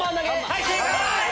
はい正解！